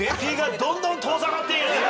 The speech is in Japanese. ＪＰがどんどん遠ざかっている。